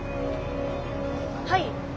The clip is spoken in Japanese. はい？